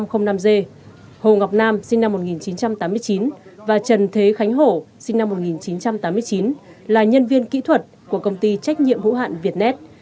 hồ ngọc nam sinh năm một nghìn chín trăm tám mươi chín và trần thế khánh hổ sinh năm một nghìn chín trăm tám mươi chín là nhân viên kỹ thuật của công ty trách nhiệm hữu hạn việt net